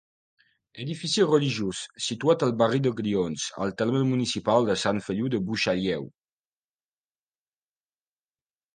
Edifici religiós situat al barri de Grions, al terme municipal de Sant Feliu de Buixalleu.